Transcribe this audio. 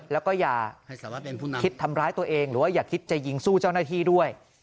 แล้วก็อย่าคิดทำร้ายตัวเองหรือว่าอย่าคิดจะยิงสู้เจ้าหน้าที่ด้วย